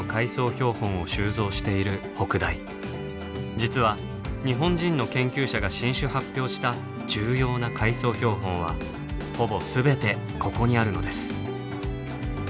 実は日本人の研究者が新種発表した重要な海藻標本はほぼ全てここにあるのです。